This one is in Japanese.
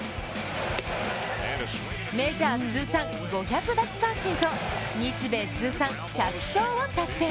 メジャー通算５００奪三振と、日米通算１００勝を達成。